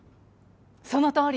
そのとおり。